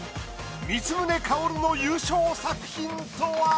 光宗薫の優勝作品とは？